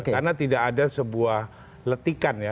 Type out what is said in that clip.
karena tidak ada sebuah letikan ya